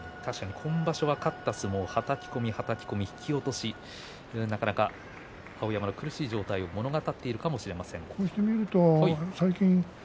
勝った相撲、はたき込みはたき込み、引き落としなかなか碧山の苦しい状況を物語っているかもしれません。